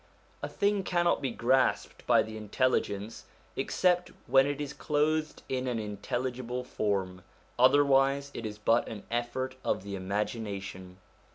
A thing cannot be grasped by the intelli gence except when it is clothed in an intelligible form ; otherwise it is but an effort of the imagination.